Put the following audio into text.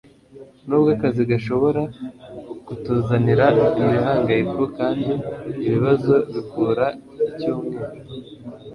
nubwo akazi gashobora kutuzanira imihangayiko, kandi ibibazo bikura icyumweru